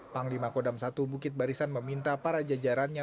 panglima kodam satu bukit barisan meminta para jajarannya